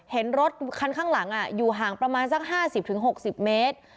เห็นรถคันข้างหลังอยู่ห่างประมาณสัก๕๐๖๐เมตร